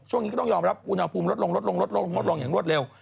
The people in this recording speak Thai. ช่วงนี้ต้องรับอุณหภูมิลดลงอย่างรวดเร็ว